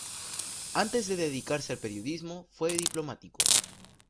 Antes de dedicarse al periodismo fue diplomático.